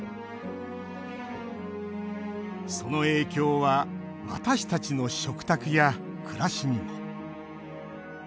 その影響は私たちの食卓や暮らしにも。